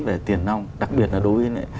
về tiền nông đặc biệt là đối với